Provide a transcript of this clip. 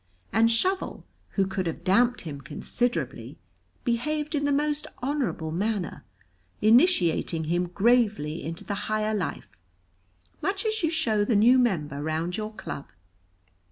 And Shovel, who could have damped him considerably, behaved in the most honorable manner, initiating him gravely into the higher life, much as you show the new member round your club.